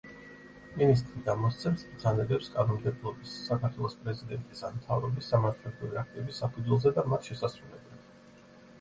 მინისტრი გამოსცემს ბრძანებებს კანონმდებლობის, საქართველოს პრეზიდენტის ან მთავრობის სამართლებრივი აქტების საფუძველზე და მათ შესასრულებლად.